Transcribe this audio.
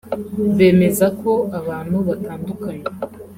bemeza ko abantu batandukanye